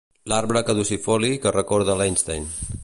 L'arbre caducifoli que recorda l'Einstein.